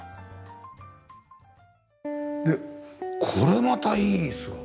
でこれまたいい椅子が。